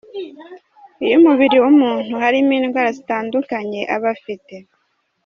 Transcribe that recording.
Iyo mu mubiri w’umuntu harimo indwara zitandukanye, aba afite.